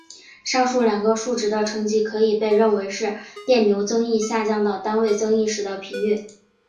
上述两个数值的乘积可以被认为是电流增益下降到单位增益时的频率。